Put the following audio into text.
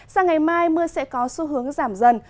sang ngày mai mưa sẽ có xu hướng giảm dần